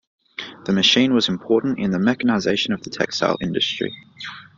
The machine was important in the mechanization of the textile industry.